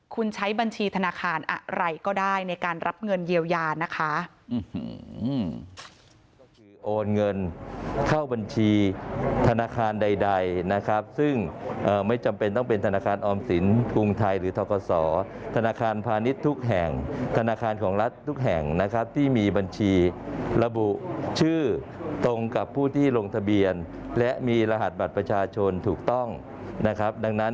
คุณใช้บัญชีธนาคารอะไรก็ได้ในการรับเงินเยียวยานะคะ